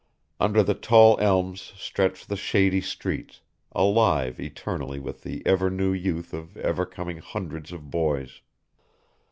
Under the tall elms stretch the shady streets, alive eternally with the ever new youth of ever coming hundreds of boys.